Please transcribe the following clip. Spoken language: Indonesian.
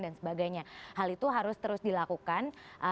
dan sebagainya hal itu harus terus dilakukan